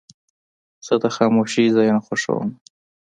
زه د خاموشۍ ځایونه خوښوم.